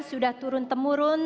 sudah turun temurun